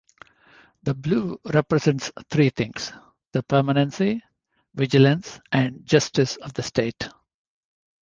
The blue represents three things: the permanency, vigilance, and justice of the state.